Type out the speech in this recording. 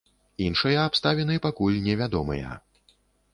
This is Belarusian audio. Іншыя абставіны пакуль невядомыя.